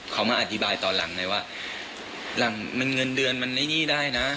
เขามาอธิบายตอนหลังเลยว่าหลังมันเงินเดือนมันได้หนี้ได้นะ